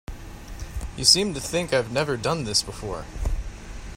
You seem to think I've never done this before.